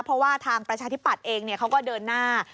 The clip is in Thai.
เพราะว่าทางประชาธิปัตย์เองเขาก็เดินหน้า